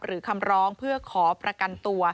คำร้องเพื่อขอประกันตัว